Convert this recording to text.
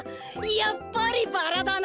やっぱりバラだな！